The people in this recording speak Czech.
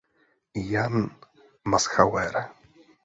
Jan Maschauer.